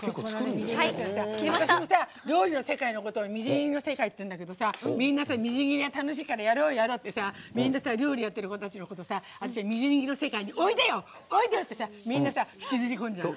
私も、料理の世界のことをみじん切りの世界っていうんだけどみんな、みじん切りは楽しいからやろう、やろうってみんな料理やってる人たちのことを私はみじん切りの世界においでよ！って引きずり込んじゃうの。